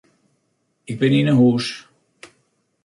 Ik bin yn 'e hûs.